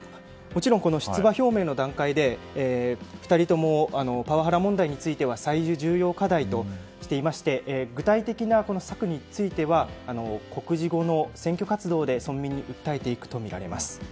もちろん出馬表明の段階で２人ともパワハラ問題については最重要課題としていまして具体的な策については告示後の選挙活動で村民に訴えていくとみられます。